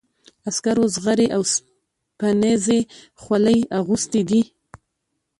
عسکرو زغرې او اوسپنیزې خولۍ اغوستي دي.